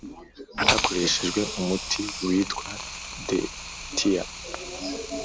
hakoreshejwe umuti witwa detia